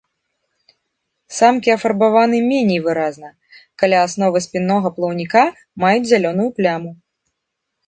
Самкі афарбаваны меней выразна, каля асновы спіннога плаўніка маюць зялёную пляму.